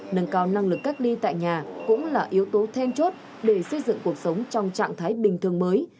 nâng cao năng lực cách ly tại nhà cũng là yếu tố then chốt để xây dựng cuộc sống trong trạng thái bình thường mới